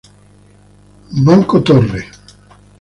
Bank Tower.